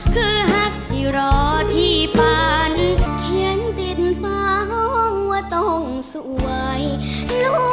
ลูกแม่ยังสวยแม่